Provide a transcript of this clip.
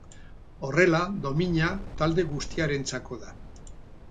Horrela, domina talde guztiarentzako da.